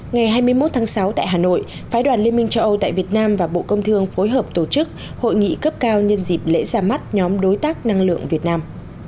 ngày hai mươi một tháng sáu tại hà nội phái đoàn liên minh châu âu tại việt nam và bộ công thương phối hợp tổ chức hội nghị cấp cao nhân dịp lễ ra mắt nhóm đối tác năng lượng việt nam